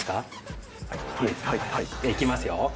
じゃあいきますよ。